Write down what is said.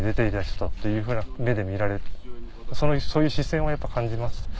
そういう視線をやっぱ感じます。